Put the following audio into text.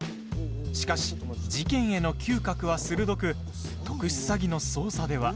しかし、事件への嗅覚は鋭く特殊詐欺の捜査では。